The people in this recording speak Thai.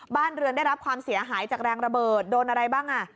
บ้านเรือนได้รับความเสียหายจากแรงระเบิดโดนอะไรบ้างอ่ะ